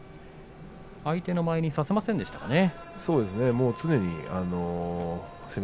相手の間合いにさせませんでしたね。